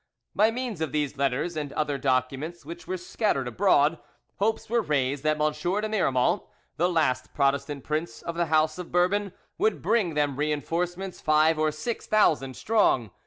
By means of these letters and other documents which were scattered abroad, hopes were raised that M. de Miremont, the last Protestant prince of the house of Bourbon, would bring them reinforcements five or six thousand strong.